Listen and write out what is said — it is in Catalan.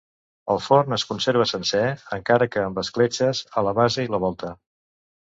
El forn es conserva sencer, encara que amb escletxes a la base i la volta.